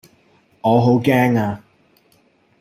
我好驚呀